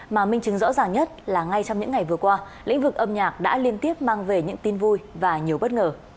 mà minh chứng rõ ràng nhất là ngay trong những ngày vừa qua lĩnh vực âm nhạc đã liên tiếp mang về những tin vui và nhiều bất ngờ